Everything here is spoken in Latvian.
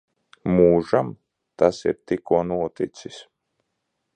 Mūžam? Tas ir tikko noticis.